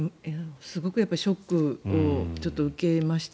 すごくショックを受けました。